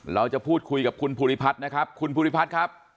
เราจะพูดคุยกับคุณภูริพัฒน์นะครับคุณภูริพัฒน์ครับ